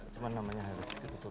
cuma namanya harus ditutup